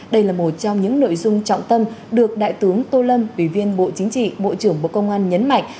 đây là một trong những nội dung trọng tâm được đại tướng tô lâm ủy viên bộ chính trị bộ trưởng bộ công an nhấn mạnh